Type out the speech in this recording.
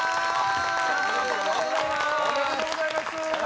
おめでとうございます！